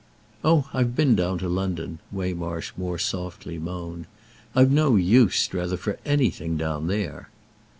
"Oh I've been down to London!" Waymarsh more softly moaned. "I've no use, Strether, for anything down there."